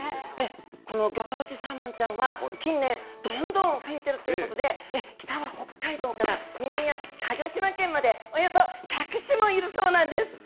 このぎょ当地サーモンちゃんは、近年、どんどん増えてるということで、北は北海道から南はかぎょしま県まで、およそ１００種もいるそうなんです。